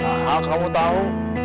hah kamu tahu